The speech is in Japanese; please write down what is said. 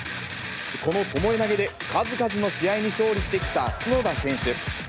この巴投げで数々の試合に勝利してきた角田選手。